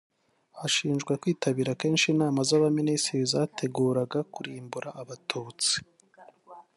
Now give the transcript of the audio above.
Ashinjwa kwitabira kenshi inama z’abaminisitiri zateguraga kurimbura Abatutsi